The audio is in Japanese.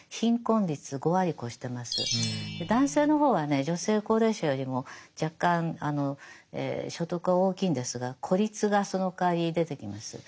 で男性の方はね女性高齢者よりも若干所得は大きいんですが孤立がそのかわり出てきます。